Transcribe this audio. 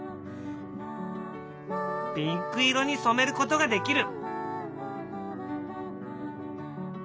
ピンク色にそめることができる。